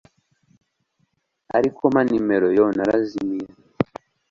ariko mpa nimero? yoo, narazimiye